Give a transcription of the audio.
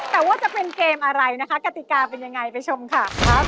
แต่ว่าจะเป็นเกมอะไรนะคะกติกาเป็นยังไงไปชมค่ะ